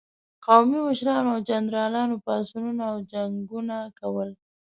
قومي مشرانو او جنرالانو پاڅونونه او جنګونه کول.